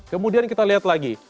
kemudian kita lihat lagi